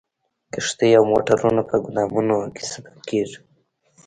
کښتۍ او موټرونه په ګودامونو کې ساتل کیږي